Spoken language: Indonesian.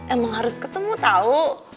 emang harus ketemu tahu